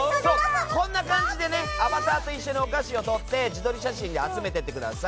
こんな感じでアバターと一緒にお菓子を撮って自撮り写真で集めていってください。